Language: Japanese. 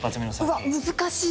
うわ難しい！